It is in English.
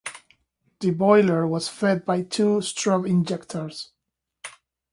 The boiler was fed by two Strube injectors.